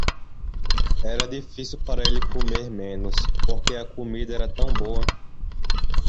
Era difícil para ele comer menos porque a comida era tão boa.